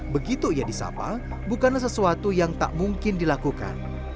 begitu ia disapa bukanlah sesuatu yang tak mungkin dilakukan